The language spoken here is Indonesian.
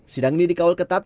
sidang ini dikawal ketat